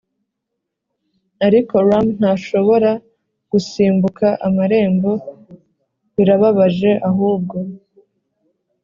ariko rum ntashobora gusimbuka amarembo, birababaje ahubwo